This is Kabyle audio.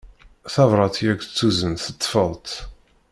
Tabrat i ak-d-tuzen teṭṭfeḍ-tt.